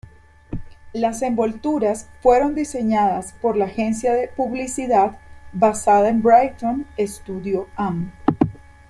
Las envolturas fueron diseñadas por la agencia de publicidad basada en Brighton, Studio Am.